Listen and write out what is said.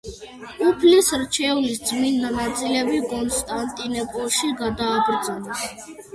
უფლის რჩეულის წმინდა ნაწილები კონსტანტინოპოლში გადააბრძანეს.